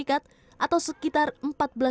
atau sekitar empat belas tujuh miliar rupiah